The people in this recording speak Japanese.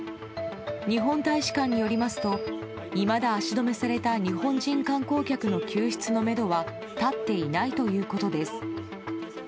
日本大使館によりますといまだ足止めされた日本人観光客の救出のめどは立っていないということです。